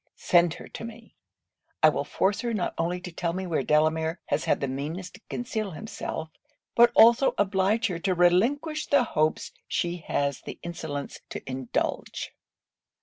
Send her to me! I will force her not only to tell me where Delamere has had the meanness to conceal himself, but also oblige her to relinquish the hopes she has the insolence to indulge.'